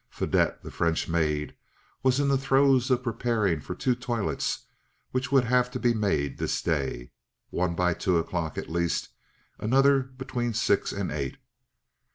Fadette, her French maid, was in the throes of preparing for two toilets which would have to be made this day, one by two o'clock at least, another between six and eight.